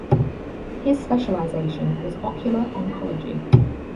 His specialization was ocular oncology.